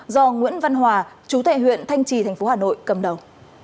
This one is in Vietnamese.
do nguyễn văn hòa chú tệ huyện thanh trì tp hà nội cầm đầu